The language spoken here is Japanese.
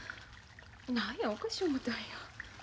何やおかし思たんや。